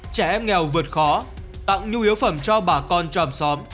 trẻ em nghèo vượt khó tặng nhu yếu phẩm cho bà con trong xóm